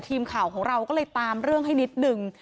ทีมข่าวของเราก็เลยตามเรื่องให้นิดนึง